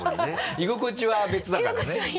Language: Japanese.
居心地は別だからね。